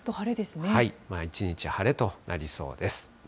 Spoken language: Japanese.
一日晴れとなりそうです。